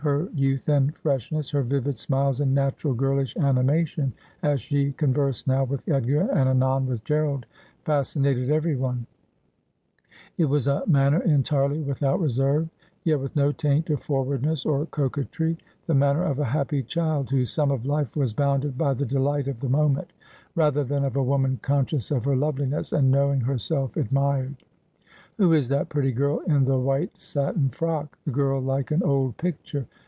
Her youth and fresh ness, her vivid smiles and natural girlish animation, as she con versed now with Edgar, and anon with Gerald, fascinated everyone ; it was a manner entirely without reserve, yet with no taint of forwardness or coquetry — the manner of a happy child, whose sum of life was bounded by the delight of the moment, rather than of a woman conscious of her loveliness, and knowing herself admired. ' Who is that pretty girl in the white satin frock — the girl like an old picture